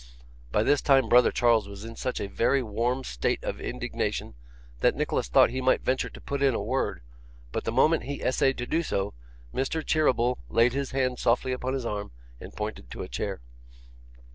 By this time brother Charles was in such a very warm state of indignation, that Nicholas thought he might venture to put in a word, but the moment he essayed to do so, Mr. Cheeryble laid his hand softly upon his arm, and pointed to a chair.